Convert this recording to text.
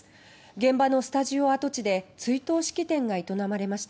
現場のスタジオ跡地で追悼式典が営まれました。